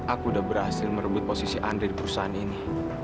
aku udah berhasil merebut posisi andri di perusahaan ini